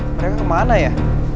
mereka kemana ya